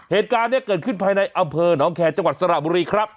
เหตุการณ์นี้เกิดขึ้นภายในอำเภอหนองแคร์จังหวัดสระบุรีครับ